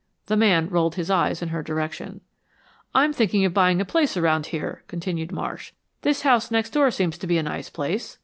The man rolled his eyes in her direction. "I'm thinking of buying a place around here," continued Marsh. "This house next door seems to be a nice place."